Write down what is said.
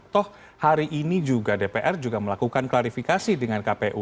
toh hari ini juga dpr juga melakukan klarifikasi dengan kpu